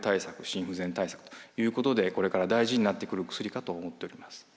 心不全対策ということでこれから大事になってくる薬かと思っております。